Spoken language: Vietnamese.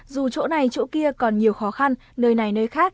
dù chỗ này chỗ kia còn nhiều khó khăn nơi này nơi khác